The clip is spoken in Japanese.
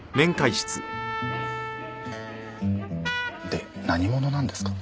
で何者なんですか？